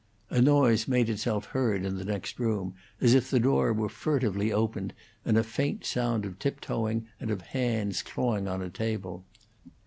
A noise made itself heard in the next room, as if the door were furtively opened, and a faint sound of tiptoeing and of hands clawing on a table.